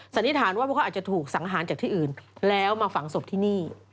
สันนิษฐานว่าพวกเขาอาจจะถูกสังหารจากที่อื่นแล้วมาฝังศพที่นี่